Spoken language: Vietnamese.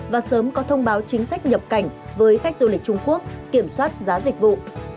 và sớm có thông báo chính sách nhập cảnh với khách du lịch trung quốc kiểm soát giá dịch vụ